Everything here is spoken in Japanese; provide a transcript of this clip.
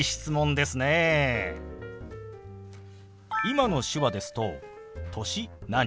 今の手話ですと「歳何？」